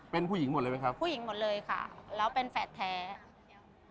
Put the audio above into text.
เป็นผู้หญิงหมดเลยไหมครับผู้หญิงหมดเลยค่ะแล้วเป็นแฝดแท้ยัง